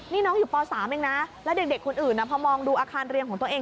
นี่น้องอยู่ป๓เองนะแล้วเด็กคนอื่นพอมองดูอาคารเรียนของตัวเอง